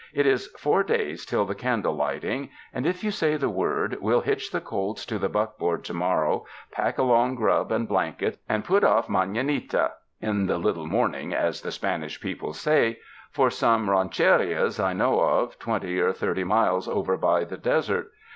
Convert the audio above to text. It is four days till the candle lighting; and, if you say the word, we'll hitch the colts to the buckboard to morrow, pack along grub and blankets, and put off marianita ^— in the little morning, as the Spanish people say — for some rancherias I know of, twenty or thirty miles over by the desert.